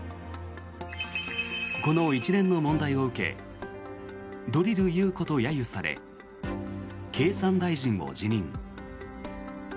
この一連の問題を受けドリル優子と揶揄され経産大臣を辞任。